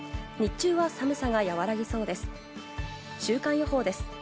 日中は寒さが和らぎそうです。